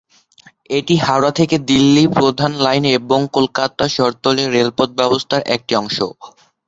এটি হাওড়া-দিল্লি প্রধান লাইন এবং কলকাতা শহরতলির রেলপথ ব্যবস্থার একটি অংশ।